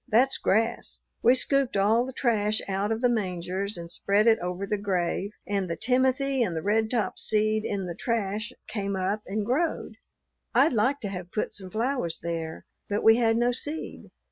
That's grass. We scooped all the trash out of the mangers, and spread it over the grave, and the timothy and the redtop seed in the trash came up and growed. I'd liked to have put some flowers there, but we had no seed."